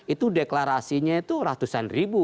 itu deklarasinya itu ratusan ribu